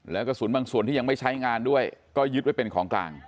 แล้วกระสุนบางส่วนที่ยังไม่ใช้งานด้วยก็ยึดไว้เป็นของกลาง